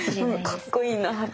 かっこいいなあって！